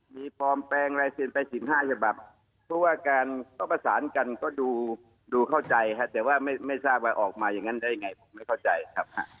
มีปลอมแปลงลายเซ็นไป๑๕ฉบับเพราะว่าการก็ประสานกันก็ดูเข้าใจแต่ว่าไม่ทราบว่าออกมาอย่างนั้นได้ยังไงผมไม่เข้าใจครับ